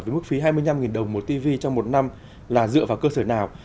với mức phí hai mươi năm đồng một tv trong một năm là dựa vào cơ sở nào